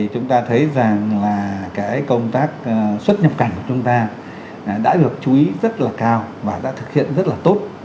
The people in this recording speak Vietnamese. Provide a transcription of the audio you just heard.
chúng ta thấy rằng là công tác xuất nhập cảnh của chúng ta đã được chú ý rất là cao và đã thực hiện rất là tốt